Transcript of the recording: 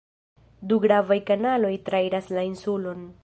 Du gravaj kanaloj trairas la insulon.